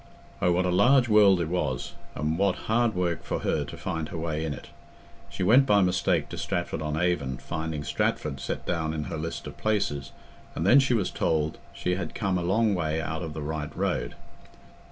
Oh what a large world it was, and what hard work for her to find her way in it! She went by mistake to Stratford on Avon, finding Stratford set down in her list of places, and then she was told she had come a long way out of the right road.